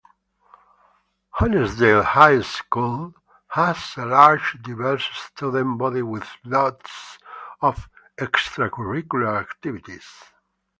Honesdale High school has a large diverse student body with lots of extracurricular activities.